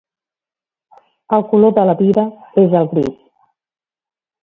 El color de la vida és el gris.